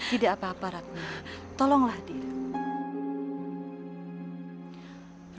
tidak apa apa ratna tolonglah dia